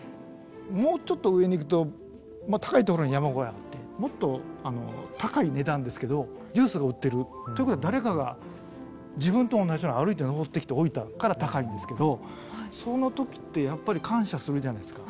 もうちょっと上に行くと高いところに山小屋あってもっと高い値段ですけどジュースが売ってる。ということは誰かが自分と同じように歩いて登ってきて置いたから高いんですけどそのときってやっぱり感謝するじゃないですか。